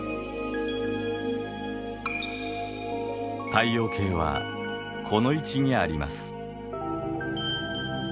太陽系はこの位置にあります。